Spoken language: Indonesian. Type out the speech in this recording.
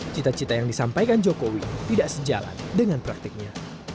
cita cita yang disampaikan jokowi tidak sejalan dengan praktiknya